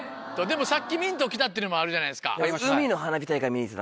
でもさっきミント着たっていうのもあるじゃないですか。